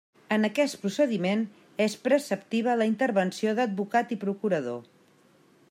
En aquest procediment és preceptiva la intervenció d'advocat i procurador.